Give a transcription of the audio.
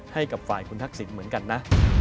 ให้กับฝ่ายคุณทักษิณเหมือนกันนะ